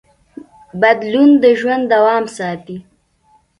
بدلون د ژوند دوام ساتي.